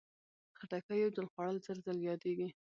خټکی یو ځل خوړل، زر ځل یادېږي.